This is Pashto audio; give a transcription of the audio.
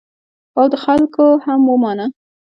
او خلکو هم ومانه.